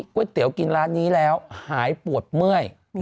ก๋วยเตี๋ยวกินร้านนี้แล้วหายปวดเมื่อย